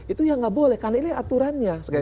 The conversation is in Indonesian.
itu ya nggak boleh karena ini aturannya